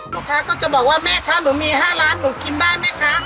ลูกค้าก็จะบอกว่าแม่คะหนูมี๕ล้านหนูกินได้ไหมคะ